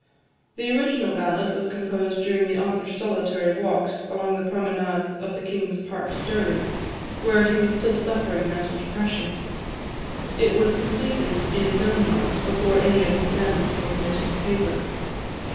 The original ballad was composed during the author's solitary walks along the promenades of the King's Park, Stirling, while he was still suffering mental depression. It was completed in his own mind before any of the stanzas were committed to paper.